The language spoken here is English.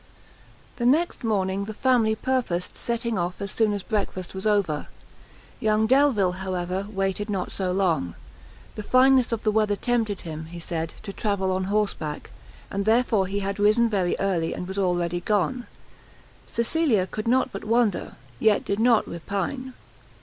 A RAILING. The next morning the family purposed setting off as soon as breakfast was over; young Delvile, however, waited not so long; the fineness of the weather tempted him, he said, to travel on horse back, and therefore he had risen very early, and was already gone. Cecilia could not but wonder, yet did not repine.